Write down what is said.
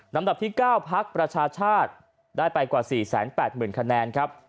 ดับที่๙พักประชาชาติได้ไปกว่า๔๘๐๐๐คะแนนครับ